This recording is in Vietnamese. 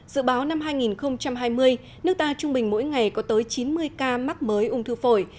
dự báo năm hai nghìn hai mươi nước ta trung bình mỗi ngày có tới chín mươi ca mắc mới ung thư phổi